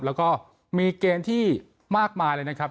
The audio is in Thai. แล้วก็มีเกมที่มากมายเลยนะครับ